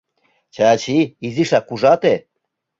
— Чачи, изишак ужате.